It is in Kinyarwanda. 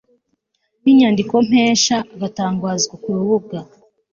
nk inyandikompesha agatangazwa ku rubuga